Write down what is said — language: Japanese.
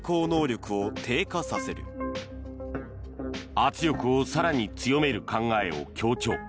圧力を更に強める考えを強調。